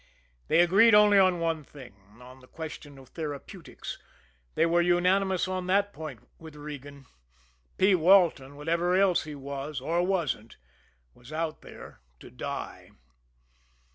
They agreed only on one thing on the question of therapeutics they were unanimous on that point with Regan P. Walton, whatever else he was, or wasn't, was out there to die.